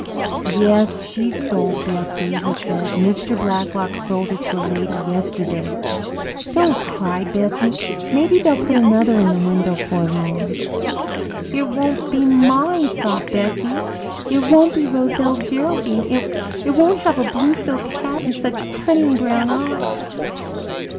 "Yes, she's sold, Bessie," he said. "Mr. Blacklock sold her to a lady yesterday. Don't cry, Bessie maybe they'll put another in the window 'fore long." "It won't be mine," sobbed Bessie. "It won't be Roselle Geraldine. It won't have a blue silk hat and such cunning brown eyes."